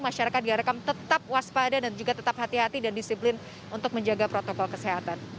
masyarakat diharapkan tetap waspada dan juga tetap hati hati dan disiplin untuk menjaga protokol kesehatan